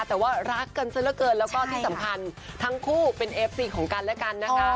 แต่ว่ารักกันซะละเกินแล้วก็ที่สำคัญทั้งคู่เป็นเอฟซีของกันและกันนะคะ